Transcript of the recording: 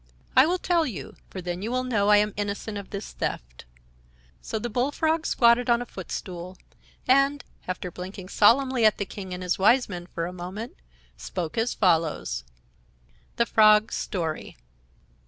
"I will tell you, for then you will know I am innocent of this theft." So the Bullfrog squatted on a footstool, and, after blinking solemnly at the King and his Wise Men for a moment, spoke as follows: THE FROG'S STORY.